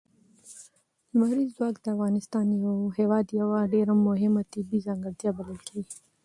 لمریز ځواک د افغانستان هېواد یوه ډېره مهمه طبیعي ځانګړتیا بلل کېږي.